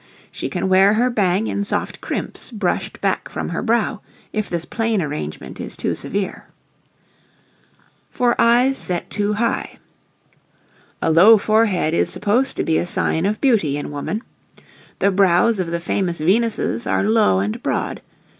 She can wear her bang in soft crimps brushed back from her brow, if this plain arrangement is too severe. [Illustration: NO. 8] For Eyes Set Too High. A low forehead is supposed to be a sign of beauty in woman. The brows of the famous Venuses are low and broad.